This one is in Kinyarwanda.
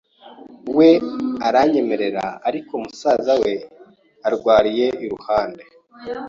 we aranyemerera ariko musaza we urwariye iruhande